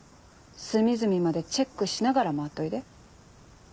隅々までチェックしながら回っといで。